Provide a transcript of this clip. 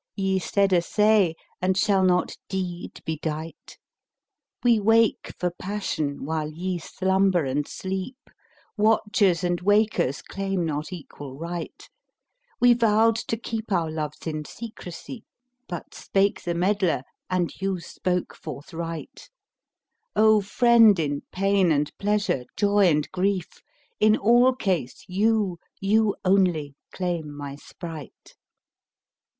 * Ye said a say and shall not deed be dight? We wake for passion while ye slumber and sleep; * Watchers and wakers claim not equal right: We vowed to keep our loves in secrecy, * But spake the meddler and you spoke forthright: O friend in pain and pleasure, joy and grief, * In all case you, you only, claim my sprite!